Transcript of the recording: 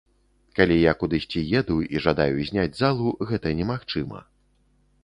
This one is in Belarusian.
Калі я кудысьці еду і жадаю зняць залу, гэта немагчыма.